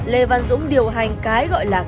lê văn dũng điều hành cái gọi là